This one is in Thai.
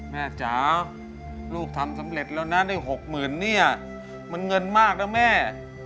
แม่จ๋าลูกทำสำเร็จแล้วนะได้หกหมื่นนี่มันเงินมากนะแม่